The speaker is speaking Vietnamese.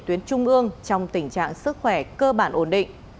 tuyến trung ương trong tình trạng sức khỏe cơ bản ổn định